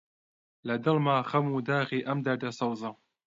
لە دڵما خەم و داخی ئەم دەردە سەوزە: